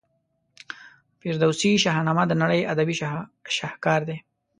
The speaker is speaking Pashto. فردوسي شاهنامه د نړۍ ادبي شهکار دی.